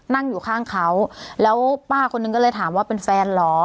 นั่งอยู่ข้างเขาแล้วป้าคนนึงก็เลยถามว่าเป็นแฟนเหรอ